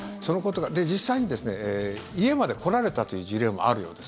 で、実際に家まで来られたという事例もあるようです。